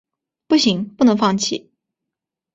不行，不能放弃